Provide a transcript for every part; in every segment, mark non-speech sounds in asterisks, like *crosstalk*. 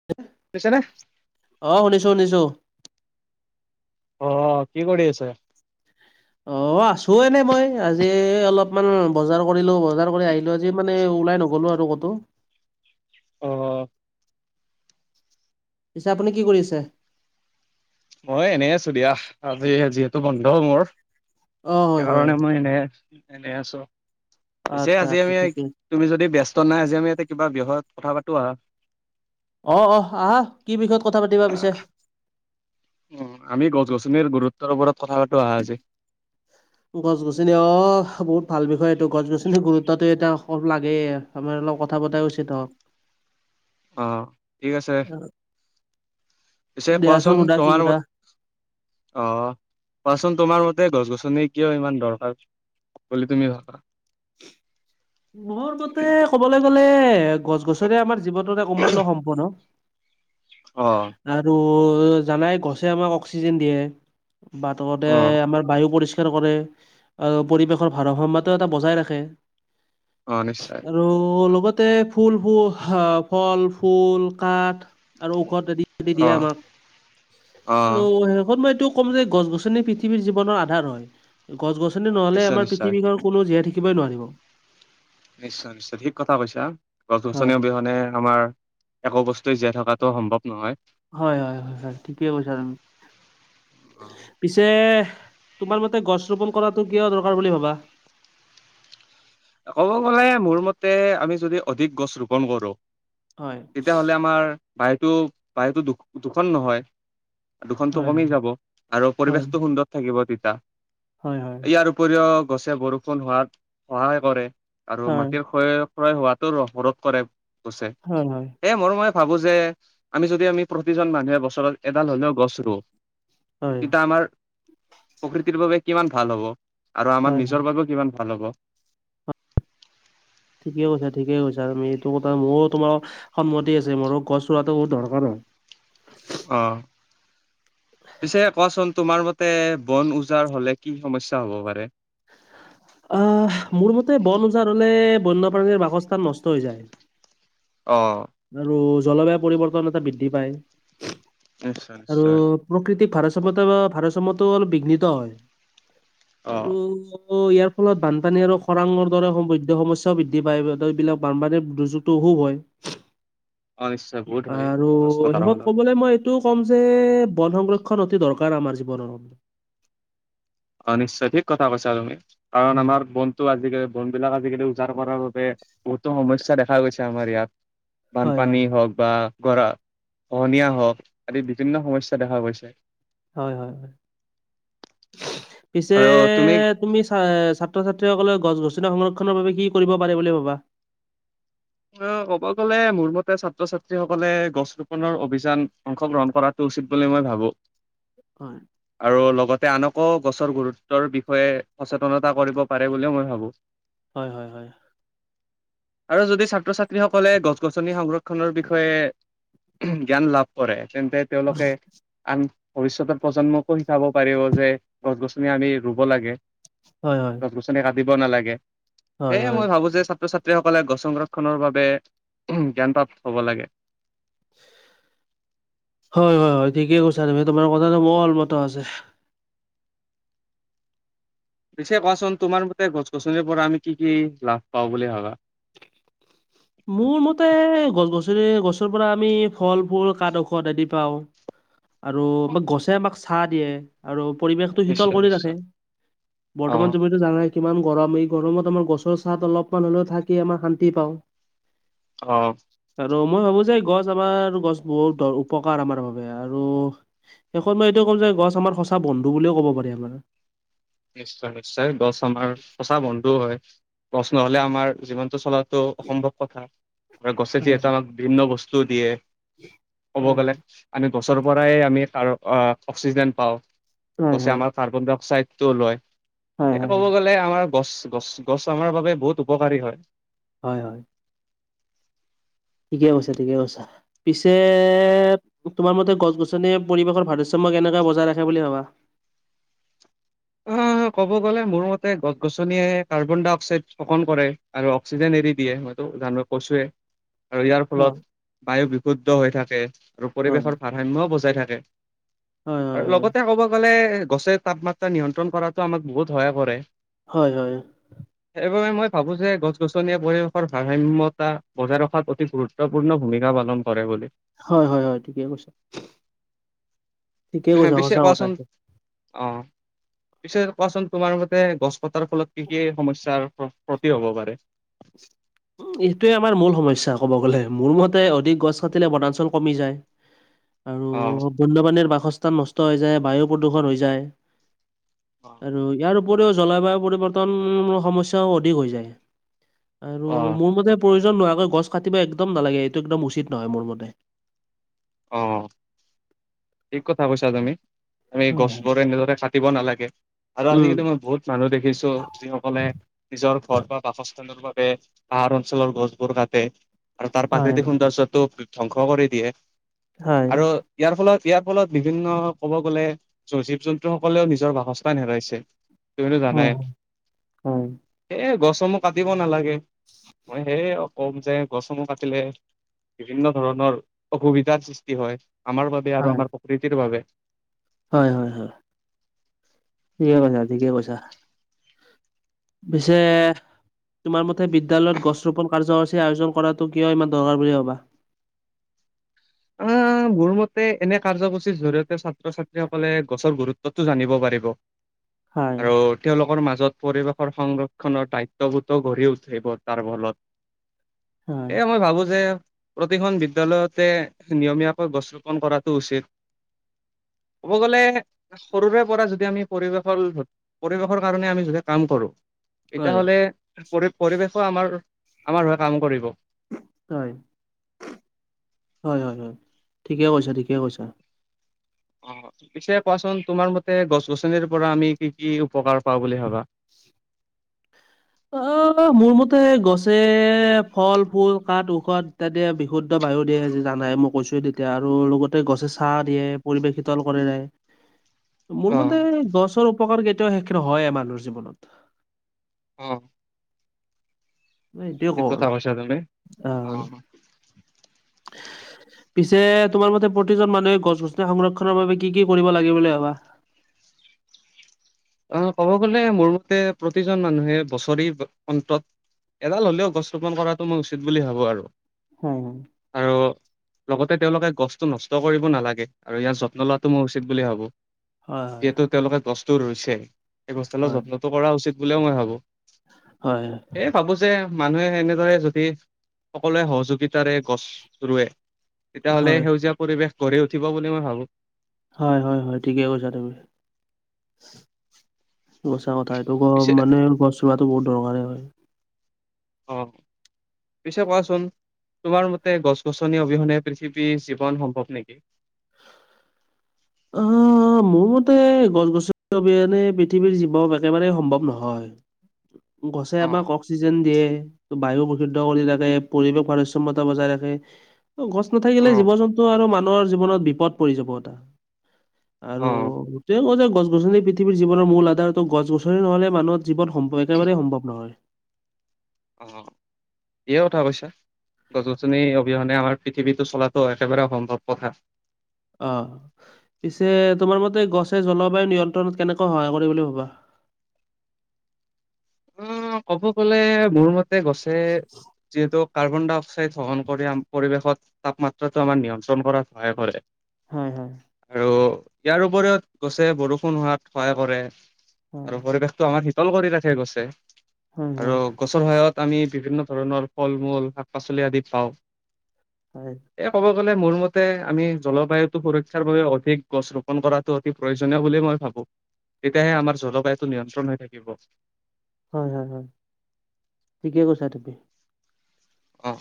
*unintelligible* শুনিছেনে? অঁ' শুনিছো শুনিছোঁ। অঁ' কি কৰি আছে? অঁ' আছোঁ এনে মই, আজি অলপমান বজাৰ কৰিলো, বজাৰ কৰি আহিলোঁ আজি মানে ওলাই নগলো আ ৰু কতো। অ', পিছে আপুনি কি কৰিছে? মই এনে আছোঁ দিয়া, আজি যিহেতু বন্ধ মোৰ। অ হয় হয় সেইকাৰণে মই এনে এনে আছোঁ, পিছে আচ্ছা আজি আচ্ছা আমি ঠিকে তুমি যদি ব্যস্ত নাই আজি আমি ইয়াতে কিবা বিষয়ত কথা পাতোঁ আহা। অঁ' অঁ' আহা, কি বিষয়ত কথা পাতিবা পিছে? উমঁ' আমি গছ-গছনিৰ গুৰুত্বৰ ওপৰত কথা পাতোঁ আহা আজি। গছ-গছনি অঁ' বহুত ভাল বিষয় এইটো। গছ - গছনিৰ গুৰুত্বটো এতিয়া অকন লাগে। আমাৰ অলপ কথা পতাই উচিত হওক। *unintelligible* অঁ' ঠিক আছে, পিছে দিয়াচোন কোৱাচোন সুধা কি তোমাৰ সুধা অঁ' কোৱাচোন তোমাৰ মতে গছ-গছনি কিয় ইমান দৰকাৰ- বুলি তুমি ভাবা? মোৰ মতে ক'বলৈ গ'লে গছ-গছনি আমাৰ জীৱনত এক অমূল্য সম্পদ। অঁ। আৰু জানাই গছে আমাক অক্সিজেন দিয়ে। বা *unintelligible* অ', আমাৰ বায়ু পৰিষ্কাৰ কৰে- আৰু পৰিৱেশৰ ভাৰসাম্যতা এটা বজাই ৰাখে। অঁ' নিশ্চয়। আৰু লগতে ফুলবোৰ হা ফল, ফুল, কাঠ আৰু ঔষধ আদি দি দিয়ে অ', আমাক অ', আৰু শেষত মই এইটো- ক'ম যে গছ-গছনি পৃথিৱীৰ জীৱনৰ আধাৰ হয়, গছ-গছনি নহ'লে নিশ্চয় আমাৰ নিশ্চয়। পৃথিৱীখন- কোনো জীয়াই থাকিবই নোৱাৰিব। নিশ্চয় নিশ্চয়, ঠিক কথা কৈছা, গছ-গছনি হয় অবিহনে আমাৰ একো বস্তুৱে জীয়াই থকাটো সম্ভৱ নহয়। হয় হয় হয় হয়, ঠিকে কৈছা তুমি। অ, পিছে তোমাৰ মতে গছ ৰোপন কৰাটো কিয় দৰকাৰ বুলি ভাবা? ক'ব গ'লে মোৰ মতে আমি যদি অধিক গছ ৰোপন কৰো হয় তেতিয়া হ'লে আমাৰ বায়ুটো বায়ুটো প্ৰদুষন নহয়। প্ৰদুষনটো হয় কমি যাব আৰু হয় পৰিৱেশটো সুন্দৰ থাকিব তেতিয়া। হয় হয় ইয়াৰ উপৰিও গছে বৰষুণ হোৱাত সহায় কৰে আৰু হয় মাটিৰ খ ক্ৰয় হোৱাতো ৰোধ কৰে গছে। হয় হয়। এ মোৰ মতে ভাবোঁ যে আমি যদি আমি প্ৰতিজন মানুহে বছৰত এডাল হ'লেও গছ ৰুওঁ- হয় তেতিয়া আমাৰ প্ৰকৃতিৰ বাবে কিমান ভাল হ'ব- আৰু আমাৰ হয় নিজৰ বাবেও কিমান ভাল হ'ব। ঠিকেই কৈছা ঠিকে কৈছা তুমি এইটো কথা, মোৰো তোমাৰ সন্মতি আছে, মোৰো গছ ৰোৱাটো বহুত দৰকাৰ হয়। অহ। পিছে কোৱাচোন তোমাৰ মতে বন উজাৰ হ'লে কি সমস্যা হ'ব পাৰে? আহ, মোৰ মতে বন ওজাৰ হ'লে বন্যপ্ৰাণীৰ বাসস্থান নষ্ট হৈ যায়। অঁ। আৰু জলবায়ু পৰিৱৰ্তন এটা বৃদ্ধি পায়। নিশ্চয় আৰু নিশ্চয় প্ৰকৃতিৰ ভাৰসাম্যত বা ভাৰসাম্যতটো অলপ বিঘ্নিত হয়। অ আৰু অঁ, ইয়াৰ ফলত বানপানী আৰু খৰাঙৰ দৰে সমৃদ্ধ সমস্যাও বৃদ্ধি পায়। এইবিলাক বানপানীৰ দুৰ্যোগটো অসুভ হয়। *unintelligible* নিশ্চয় বহুত হয় আৰু গছ কটাৰ শেষত ফলত ক'বলৈ মই টো ক'ম যে বন সংৰক্ষন অতি দৰকাৰ আমাৰ জীৱনৰ। অঁ, নিশ্চয় ঠিক কথা কৈছা তুমি। কাৰণ হয় আমাৰ বন আজিকালি বন বিলাক, আজিকালি উজাৰ কৰাৰ বাবে বহুতো সমস্যা দেখা গৈছে আমাৰ ইয়াত। হয় হয় বানপানী হওঁক বা গৰা খহনীয়া হওঁক আদি বিভিন্ন সমস্যা দেখা গৈছে। হয়- হয়- হয়, পিছে তুমি চ- ছাত্ৰ- ছাত্ৰীসকলে গছ- গছনি সংৰক্ষনৰৰ বাবে কি কৰিব পাৰে বুলি ভাবা? অঁ, ক'ব গ'লে মোৰ মতে ছাত্ৰ- ছাত্ৰীসকলে গছ ৰোপনৰৰ অভিযান অংশগ্ৰহণ কৰাত উচিত বুলি মই ভাবো। হয়। আৰু লগতে আনকো গছৰ গুৰুত্বৰ বিষয়ে সচেতনতা কৰিব পাৰে বুলিও মই ভাবো। *unintelligible* হয়- হয়- হয়। আৰু যদি ছাত্ৰ- ছাত্ৰীসকলে গছ- গছনি সংৰক্ষণৰ বিষয়ে জ্ঞান লাভ কৰে, তেন্তে তেওঁলোকে আন ভৱিষ্যতৰ প্ৰজন্মকো শিকাব পাৰিব যে, গছ- গছনি আমি ৰুব লাগে। হয়- হয়। গছ গছনি কাটিব নালাগে। হয় সেয়হে হয় মই ভাবো যে ছাত্ৰ- ছাত্ৰীসকলে গছ সংৰক্ষণৰ বাবে জ্ঞানপ্ৰাপ্ত হ'ব লাগে। হয়- হয়- হয়, ঠিকেই কৈছা তুমি। তোমাৰ কথাটো মোৰ অল মত আছে। পিছে কোৱাচোন তুমাৰ মতে গছ- গছনিৰ পৰা আমি কি কি লাভ পাওঁ বুলি ভাবা? মোৰ মতে গছ- গছনি- গছৰ পৰা আমি ফল, ফুল, কাঠ, ঔষধ আদি পাওঁ। *unintelligible* আৰু আমাক গছে আমাক চাহ দিয়ে। আৰু পৰিৱেশতটো শীতল নিশ্চয় কৰি ৰাখে নিশ্চয় অ বৰ্তমান যদি জানাই কিমান গৰম। এই গৰমত আমাৰ গছৰ চাত অলপমান হলেও থাকি আমাৰ শান্তি পাওঁ। অঁ। আৰু মই ভাবো যে, গছ আমাৰ গছ বহুত উপকাৰ আমাৰ বাবেই আৰু। শেষত মই এইোৱ ক'ম যে, গছ আমাৰ সঁচা বন্ধুুও ক'ব পাৰি আমাৰ। নিশ্চয়- নিশ্চয় গছ আমাৰ সঁচা বন্ধও হয়। গছ নহলে আমাৰ জীৱনটো চলাত টো অসম্ভৱ কথা। আৰু গছে যি হয় এটানত বিভিন্ন বস্তুও দিয়ে। ক'ব হয় হয় গ'লে হয়। আমি গছৰ পৰাই আমি ত অক্সিজেন পাওঁ। হয় গছে হয় আমাৰ কাৰ্বন ডাই অক্সাইড টো লয়। সেই হয় হয় ক'ব গ'লে আমাৰ গছ- গছ- গছ, আমাৰ বাবে বহুত উপকাৰী হয়। হয়- হয়। ঠিকে কৈছো, ঠিকে কৈছা। পিছে তোমাৰ মতে গছ - গছনি পৰিৱেশৰ ভাৰসাম্য কেনেকে বজাই ৰাখে বুলি ভাবা। অঁ ক'ব গ'লে মোৰ মতে গছ -গছনিয়ে কাৰ্বন ডাই অক্সাইড স্থকন কৰে আৰু অক্সিজেন এৰি দিয়ে। হয় জানোঁ কচুৱে আৰু ইয়াৰ হয়। ফলত বায়ু বিশুদ্ধ হৈ থাকে। আৰু হয় পৰিৱেশৰ ভাল ভ্ৰাম্য বজাই থাকে। হয় হয় আৰু হয়। লগতে ক'ব গ'লে গছে তাপমাত্ৰা নিয়ন্ত্ৰণ কৰাটো আমাক বহুত সহায় কৰে। হয় হয়। সেইবাবে মই ভাবোঁ যে গছ -গছনিয়ে পৰিৱেশৰ ভাৰসাম্যতা বজাই ৰখাত অতি গুৰুত্ব গুৰুত্বপূৰ্ণ ভূমিকা পালন কৰে বুলি হয় -হয় -হয় ঠিকে কৈছাঁ। হে, পিছে কথা কোৱাচোন এইটো। অ, পিছে কোৱাচোন তোমাৰ মতে গছ কটা ফলত কি -কি সমস্যাৰ ক্ষতি হ'ব পাৰে। এইটোয়েই আমাৰ মূল সমস্যা ক'ব গ'লে। মোৰ মতে অধিক গছ কাটিলে বনাঞ্চল কমি যায়। *unintelligible* আৰু বন্যপাণীৰ বাসস্থান নষ্ট হৈ যায় বায়ু প্ৰদূষণ হৈ যায়। *unintelligible* আৰু ইয়াৰ উপৰিও জলবায়ু পৰিৱৰ্তন সমস্যাও অধিক হৈ যায়। আৰু অ মোৰ মতে প্ৰয়োজন নোহোৱাকৈ গছ কাটিব একদম নালাগে। এইটো একদম উচিত নহয় মোৰ মতে। অ', ঠিক কথা কৈছা তুমি, আমি গছবোৰ এনেদৰে কাট কাটিব নালাগে। আৰু উম, আজিকালি মই বহুত মানুহ দেখিছোঁ যি সকলে নিজৰ ঘৰ বা বাসস্থানৰ বাবে পাহাৰ অঞ্চলৰ গছবোৰ কাটে। আৰু তাৰ হয়। প্ৰাকৃতিক সৌন্দৰ্যটো ধ্বংস কৰি দিয়ে। হয়, আৰু ইয়াৰ ফলত- ইয়াৰ ফলত বিভিন্ন ক'ব গ'লে জীৱ- জন্তু সকলেও নিজৰ বাসস্থান হেৰাইছে তুমিতো জানাই। অ' সেইহে গছসমূহ কাটিব নালাগে। মই সেয়েহে ক'ম যে গছসমূহ কাটিলে বিভিন্ন ধৰণৰ অসুবিধ অসুবিধা সৃষ্টি হয় আমাৰ বাবে আৰু আমাৰ প্ৰকৃতিৰ বাবে। হয়-হয়- হয় ঠিকে কৈছা- ঠিকে কৈছা। পিছে তোমাৰ মতে বিদ্যালয়ত গছ ৰোপণ কাৰ্যসূচীৰ আয়োজন কৰাটো কিয় ইমান দৰকাৰ বুলি ভাবা? *unintelligible* *unintelligible* মোৰ মতে এনে কাৰ্যসূচীৰ জৰিয়তে ছাত্ৰ- ছাত্ৰী সকলে গছৰ গুৰুত্বটো জানিব পাৰিব। হয়, আৰু তেওঁলোকৰ মাজত পৰিৱেশৰ সংৰক্ষনৰ দায়িত্ববোধো গঢ়ি উঠে বতাহ ফলত। হয়, এ মই ভাবোঁ যে প্ৰতিখন বিদ্যালয়তে নিয়মীয়াকৈ গছ ৰোপন কৰাটো উচিত। ক'ব গ'লে সৰুৰে পৰা যদি আমি পৰিৱেশৰ- পৰিৱেশৰ কাৰণে আমি যেতিয়া কাম কৰোঁ। এতিয়া হয়, হ'লে পৰি- পৰিৱেশো আমাৰ -আমাৰ হৈ কাম কৰিব। হয় -হয় -হয় -হয় ঠিকে কৈছা -ঠিকে কৈছা। অ', পিছে কোৱাচোন তোমাৰ মতে গছ- গছনিৰ পৰা আমি কি -কি উপকাৰ পাওঁ বুলি ভাবা? *unintelligible* অ', মোৰ মতে গছে ফল, ফুল, কাঠ, ঔষধ ইত্যাদি বিশুদ্ধ বায়ু দিয়ে জানাই মোক কৈছোৱেই তেতিয়া আৰু লগতে গছে চাৰ দিয়ে পৰিৱেশ শীতল কৰে। মোৰ অ মতে গছৰ উপকাৰ কেতিয়াওঁ শেষ নহয়ে মানুহৰ জীৱনত। অ' মই এইটোয়ে ঠিক কওঁ আৰু কথা কৈছা তুমি। আহ অ' পিছে তোমাৰ মতে প্ৰতিজন মানুহে গছ-গছনি সংৰক্ষণৰ বাবে কি-কি কৰিব লাগে বুলি ভাবা? অ'হ, ক'ব গ'লে মোৰ মতে প্ৰতিজন মানুহে বছৰি অন্তত এডাল হ'লেও গছ ৰোপন কৰাটো মই উচিত বুলি ভাবোঁ আৰু। হম। আৰু লগতে তেওঁলোকে গছটো নষ্ট কৰিব নালাগে, আৰু ইয়াৰ যত্ন লোৱাটো মই উচিত বুলি ভাবোঁ। হয় যিহেতু তেওঁলোকে গছটো ৰুইছে। এ গছডালৰ হয় যত্নটো কৰা উচিত বুলিও মই ভাবোঁ। হয় হয় এ ভাবোঁ যে মানুহে এনেদৰে যদি সকলোৱে সহযোগিতাৰে গছ ৰুৱে তেতিয়াহ'লে হয় সেউজীয়া পৰিৱেশ গঢ়ি উঠিব বুলি মই ভাবোঁ। হয়-হয়-হয় ঠিকে কৈছা তুমি। সচা কথা এইটো গ পিছে মানে গছ ৰোৱাটো বহুত দৰকাৰেই হয়। অ' পিছে কোৱাচোন তোমাৰ মতে গছ-গছনি অবিহনে পৃথিৱীৰ জীৱন সম্ভৱ নেকি? উম' মোৰ মতে গছ-গছনি অবিহনে পৃথিৱীৰ জীৱক একেবাৰে সম্ভৱ নহয়। গছে অ আমাক অক্সিজেন দিয়ে, বায়ু বিশুদ্ধ কৰি যাতে পৰিৱেশ ভাৰসাম্যতা বজাই ৰাখে। অ' গছ নাথাকিলে অ', জীৱ-জন্তু আৰু মানুহৰ জীৱনত বিপদ পৰি যাব এটা। আৰু অ', গোটেই কওঁ যে গছ-গছনি পৃথিৱীৰ জীৱনৰ মূল আধাৰ তো গছ-গছনি নহ'লে মানুহ জীৱন সম্ভ একেবাৰে সম্ভৱ নহয়। অ' ঠিকে কথা কৈছা। গছ-গছনি অবিহনে আমাৰ পৃথিৱীতো চলাটো একেবাৰে অসম্ভৱ কথা। অ' পিছে তোমাৰ মতে গছে জলবায়ু নিয়ন্ত্ৰণত কেনেকৈ সহায় কৰে বুলি ভবা? অ' ক'ব গ'লে মোৰ মতে গছে যিহেতু কাৰ্বন ডাই অক্স- অক্সাইড গ্ৰহণ কৰে, পৰিৱেশত তাপমাত্ৰাটো আমাৰ নিয়ন্ত্ৰণ কৰাত সহায় কৰে। হয় হয়। আৰু ইয়াৰ উপৰিও গছে বৰষুণ হোৱাত সহায় কৰে। হয়, আৰু পৰিৱেশটো আমাৰ শীতল কৰি ৰাখে গছে। হয়, হয়, আৰু- গছৰ সহায়ত আমি বিভিন্ন ধৰণৰ ফল-মূল, শাক-পাচলি আদি পাওঁ। হয়। এই ক'ব গ'লে মোৰ মতে আমি জলবায়ুটো সুৰক্ষাৰ বাবে অধিক গছ ৰোপন কৰা। ত অতি প্ৰয়োজনীয় বুলি মই ভাবো, তেতিয়াহে আমাৰ জলবায়ুটো নিয়ন্ত্ৰণ হৈ থাকিব। হয় হয় হয়, ঠিকে কৈছা তুমি। অ'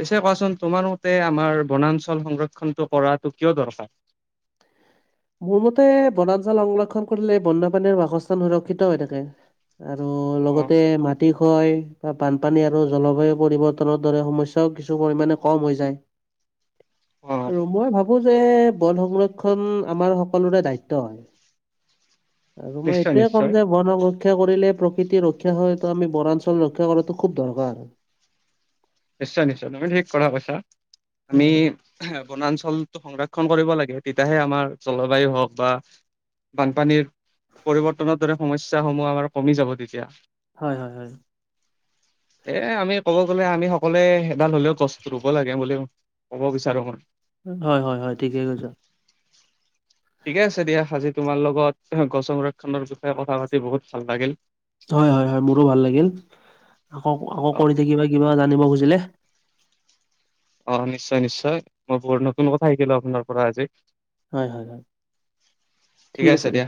পিছে কোৱাচোন তোমাৰ মতে আমাৰ বনাঞ্চল সংৰক্ষণটো কৰাটো কিয় দৰকাৰ? মোৰ মতে বনাঞ্চল সংৰক্ষণ কৰিলে বণ্য-প্ৰানীৰ বাসস্থান সুৰক্ষিত হৈ থাকে। আৰু অ লগতে মাটি কয় বা বানপানী আৰু জলবায়ু পৰিৱৰ্তনৰ দৰে সমস্যা ত কিছু পৰিমাণে কম হৈ যায়। অ মই ভাবোঁ যে বন সংৰক্ষণ আমাৰ সকলোৰে দায়িত্ব, আৰু মই নিশ্চয় এইটোয়ে ক'ম নিশ্চয় যে বন ৰক্ষা কৰিলে প্ৰকৃতিৰ ৰক্ষা হয়, তো আমি বনাঞ্চল ৰক্ষা কৰাটো খুব দৰকাৰ। নিশ্চয় নিশ্চয় তুমি ঠিক কথা কৈছা। আমি হয়। বনাঞ্চলটো সংৰক্ষন কৰিব লাগে তেতিয়াহে আমাৰ জলবায়ু হওক বা বানপানীৰ পৰিৱৰ্তনৰ দৰে সমস্যা সমূহ আমাৰ কমি যাব তেতিয়া। হয় হয় হয়। এ আমি ক'ব গ'লে আমি স সকলোৱে এডাল হ'লেও গছ ৰুব লাগে বুলি ক'ব বিচাৰো মই। হয় হয় হয়, ঠিকে কৈছা। *inaudible* ঠিকে আছে দিয়া আজি তোমাৰ লগত গছ সংৰক্ষণৰ বিষয়ে কথা পাতি বহুত ভাল লাগিল। হয় হয় হয় মোৰো ভাল লাগিল, আকৌ আকৌ অ কৰি থাকিবা কিবা জানিব খুজিলে। অ নিশ্চয় নিশ্চয় মই বহুত নতুন কথা শিকিলো আপোনাৰ পৰা আজি। হয় হয় হয়, ঠিক আছে দিয়া।